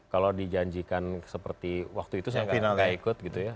kalau dijanjikan seperti waktu itu saya nggak ikut gitu ya